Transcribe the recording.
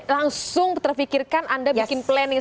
langsung terpikirkan anda bikin planning